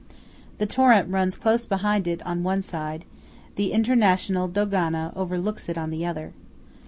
The torrent runs close behind it on one side; the International Dogana overlooks it on the other.